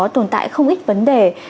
tồn tại không ít vấn đề